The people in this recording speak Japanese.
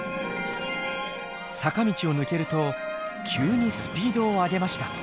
坂道を抜けると急にスピードを上げました。